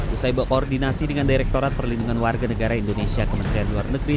usai berkoordinasi dengan direktorat perlindungan warga negara indonesia kementerian luar negeri